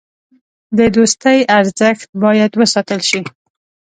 د دوستۍ ارزښت باید وساتل شي.